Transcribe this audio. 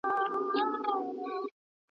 هغه څوک چي درسونه لوستل کوي پوهه زياتوي!؟